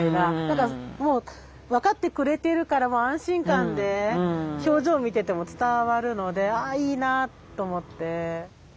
何かもう分かってくれてるから安心感で表情見てても伝わるのであいいなと思って。